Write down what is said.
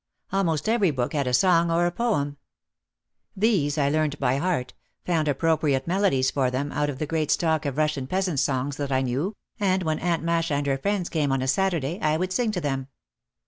Almost every book had a song or a poem. These I learned by heart, found appropriate melodies for them out of the great stock of Russian peasant songs that I knew, and when Aunt Masha and her friends came on a Saturday I would sing to them.